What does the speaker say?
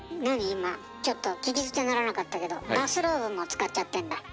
今ちょっと聞き捨てならなかったけどバスローブも使っちゃってんだ？